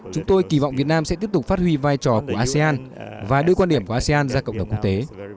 chúng tôi kỳ vọng việt nam sẽ tiếp tục phát huy vai trò của asean và đưa quan điểm của asean ra cộng đồng quốc tế